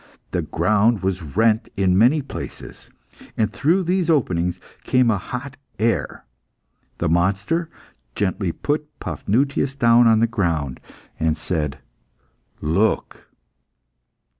The ground was rent in many places, and through these openings came a hot air. The monster gently put Paphnutius down on the ground, and said "Look!"